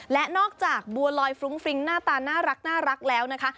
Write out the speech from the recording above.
และนอกจากบัวลอยฟรุ้งฟริ้งหน้าตาน่ารักแล้วนะคะ